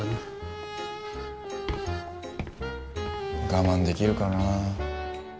我慢できるかなあ。